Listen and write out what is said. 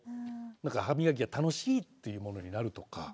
はみがきが楽しいっていうものになるとか。